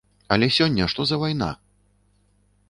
Але сёння што за вайна?!